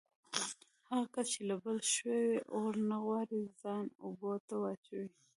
هغه کس چې له بل شوي اور نه غواړي ځان اوبو ته واچوي.